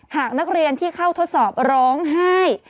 หากนักเรียนที่เข้าทดสอบร้องไห้